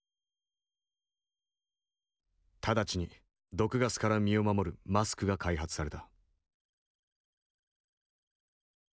直ちに毒ガスから身を守るマスクが開発された。